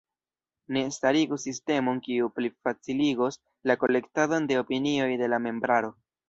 Ni starigu sistemon kiu plifaciligos la kolektadon de opinioj de la membraro.